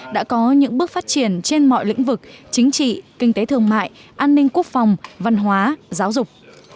đã có những bước phát triển trên mọi lĩnh vực chính trị kinh tế thương mại an ninh quốc phòng văn hóa giáo dục